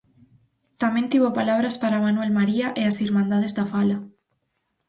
Tamén tivo palabras para Manuel María e as Irmandades da Fala.